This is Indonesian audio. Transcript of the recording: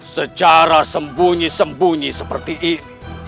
secara sembunyi sembunyi seperti ini